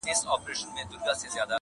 • چي تر څو پوري د زور توره چلیږي -